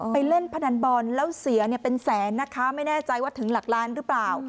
เล่นพนันบอลแล้วเสียเป็นแสนนะคะไม่แน่ใจว่าถึงหลักล้านหรือเปล่า